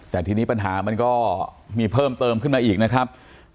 แต่ทีนี้ปัญหามันก็มีเพิ่มเติมขึ้นมาอีกนะครับ